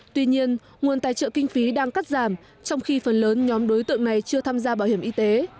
tuy nhiên nguồn tài trợ kinh phí đang cắt giảm trong khi phần lớn nhóm đối tượng này chưa tham gia bảo hiểm y tế